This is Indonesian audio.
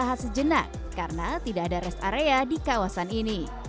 usaha sejenak karena tidak ada rest area di kawasan ini